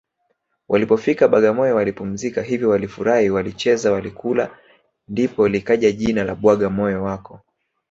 Walipofika Bagamoyo walipumzika hivyo walifurahi walicheza walikula ndipo likaja jina la bwagamoyo wako